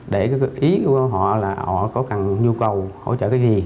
để cái ý của họ là họ có cần nhu cầu hỗ trợ cái gì